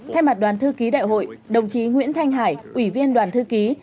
thay mặt đoàn thư ký đại hội đồng chí nguyễn thanh hải ủy viên đoàn thư ký